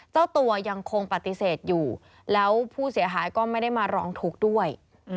เจ้าตัวยังคงปฏิเสธอยู่แล้วผู้เสียหายก็ไม่ได้มาร้องทุกข์ด้วย